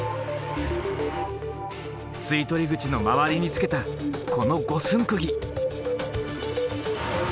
吸い取り口の周りにつけたこの五寸釘。